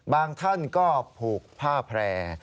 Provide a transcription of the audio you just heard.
ท่านก็ผูกผ้าแพร่